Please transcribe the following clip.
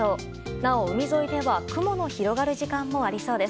なお、海沿いでは雲の広がる時間もありそうです。